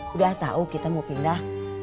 udah tahu kita mau pindah